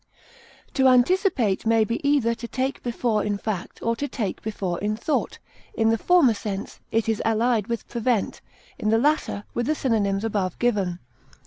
To anticipate may be either to take before in fact or to take before in thought; in the former sense it is allied with prevent; in the latter, with the synonyms above given.